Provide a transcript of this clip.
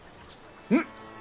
うん！